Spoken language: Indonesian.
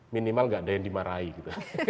minimal gak ada yang dimarahi gitu